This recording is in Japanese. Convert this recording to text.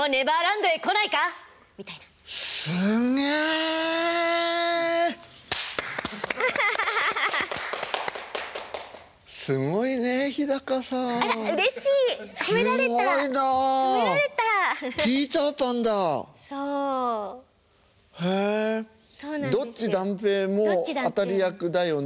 ドッジ弾平も当たり役だよね。